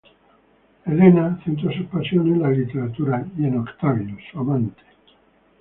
Elena centra sus pasiones en la literatura y en Octavio, su amante.